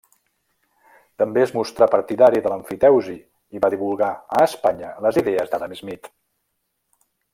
També es mostrà partidari de l'emfiteusi i va divulgar a Espanya les idees d'Adam Smith.